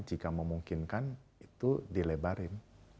jika memungkinkan itu dilebarin